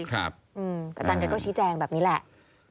กระจังกับก็ชี้แจงแบบนี้แหละ